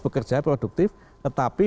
bekerja produktif tetapi